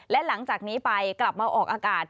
และหลังจากนี้ไปกลับมาออกอากาศ